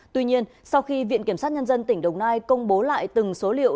tuy nhiên sau khi viện kiểm sát nhân dân tỉnh đồng nai công bố lại từng số liệu